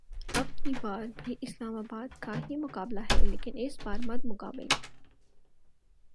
اب کی بار بھی اسلام آباد کا ہی مقابلہ ہے لیکن اس بار مدمقابل